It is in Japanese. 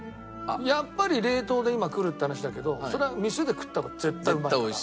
やっぱり冷凍で今来るって話だけどそれは店で食った方が絶対うまいから。